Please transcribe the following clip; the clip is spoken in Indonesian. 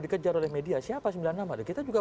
dikejar oleh media siapa sembilan nama kita juga